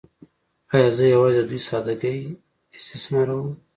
“ایا زه یوازې د دوی ساده ګۍ استثماروم؟